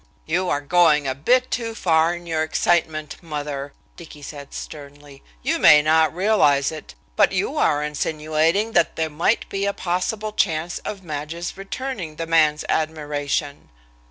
"You are going a bit too far in your excitement, mother," Dicky said sternly. "You may not realize it, but you are insinuating that there might be a possible chance of Madge's returning the man's admiration."